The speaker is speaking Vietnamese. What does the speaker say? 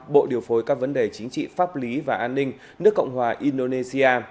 bộ điều phối các vấn đề chính trị pháp lý và an ninh nước cộng hòa indonesia